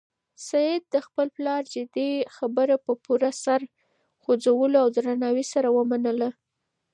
سعید د خپل پلار جدي خبره په پوره سر خوځولو او درناوي سره ومنله.